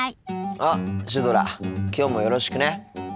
あっシュドラきょうもよろしくね。